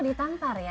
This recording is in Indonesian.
seru ditampar ya